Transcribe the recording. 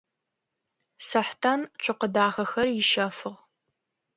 Сэхътан цокъэ дахэхэр ищэфыгъ.